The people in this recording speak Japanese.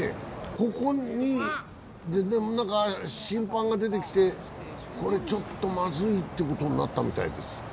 ここにでも、審判が出てきて、これちょっとまずいということになったみたいです。